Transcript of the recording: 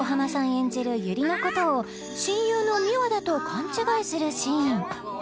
演じる由利のことを親友の美和だと勘違いするシーン